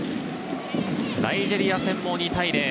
ナイジェリア戦も２対０。